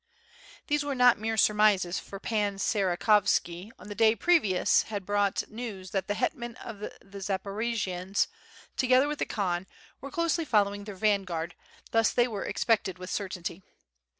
These were not mere surmises for Pan Sierakovski on the day previous had brought news that the Uetman of the Zaporojians together with the Khan were closely following their vanguard, thus they were expected with certainty.